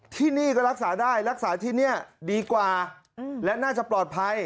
ที่นี่ก็รักษาได้รักษาที่นี่ดีกว่าและน่าจะปลอดภัย